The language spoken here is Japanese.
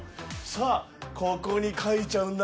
さぁここに描いちゃうんだ